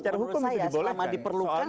kalau menurut saya selama diperlukan